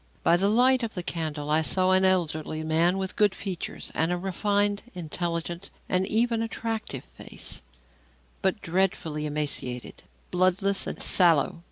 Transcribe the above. By the light of the candle I saw an elderly man with good features and a refined, intelligent and even attractive face, but dreadfully emaciated, bloodless and sallow.